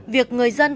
việc người dân